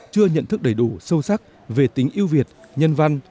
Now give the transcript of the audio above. chưa nhận thức đầy đủ sâu sắc về tính yêu việt nhân văn